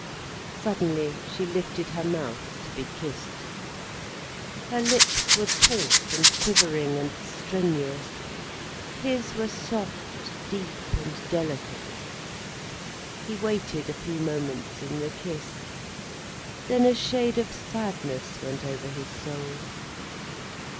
Suddenly she lifted her mouth to be kissed. Her lips were taut and quivering and strenuous, his were soft, deep and delicate. He waited a few moments in the kiss. Then a shade of sadness went over his soul.